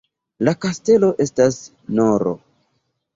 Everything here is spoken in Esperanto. La kastelo estas nr.